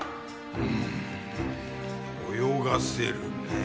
うーん泳がせるねぇ。